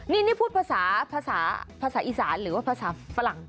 นี่พูดภาษาอีสานหรือว่าภาษาฝรั่ง